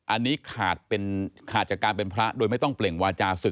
อันนี้ขาดจากการเป็นพระโดยไม่ต้องเปล่งวาจาศึก